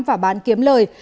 và bán kiếm lời